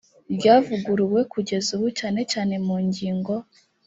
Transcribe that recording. ryavuguruwe kugeza ubu cyane cyane mu ngingo